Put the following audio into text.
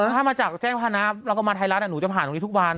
ถ้ามาจากแจ้งพนะเราก็มาไทยรัฐหนูจะผ่านตรงนี้ทุกวัน